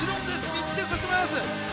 密着させてもらいます。